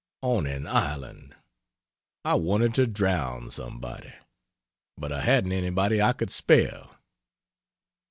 On an island! I wanted to drown somebody, but I hadn't anybody I could spare.